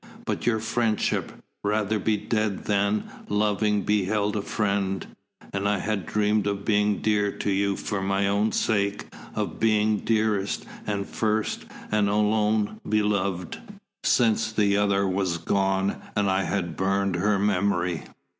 But your friendship! Rather be dead than, loving, be held a friend! And I had dreamed of being dear to you for my own sake, of being dearest, and first, and alone beloved, since that other was gone and I had burned her memory.